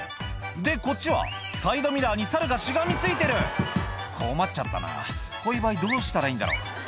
でこっちはサイドミラーにサルがしがみついてる「困っちゃったなこういう場合どうしたらいいんだろう」